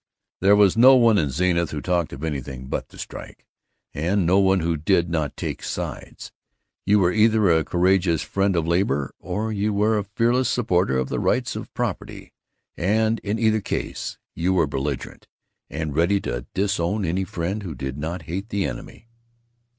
There was no one in Zenith who talked of anything but the strike, and no one who did not take sides. You were either a courageous friend of Labor, or you were a fearless supporter of the Rights of Property; and in either case you were belligerent, and ready to disown any friend who did not hate the enemy.